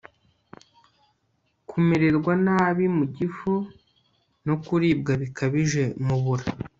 kumererwa nabi mu gifu no kuribwa bikabije mu bura